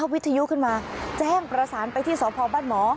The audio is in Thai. วิทยุขึ้นมาแจ้งประสานไปที่สพบ้านหมอ